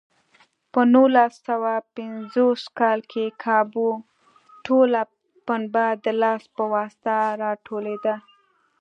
په نولس سوه پنځوس کال کې کابو ټوله پنبه د لاس په واسطه راټولېده.